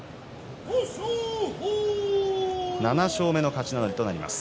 ７勝目の勝ち名乗りとなります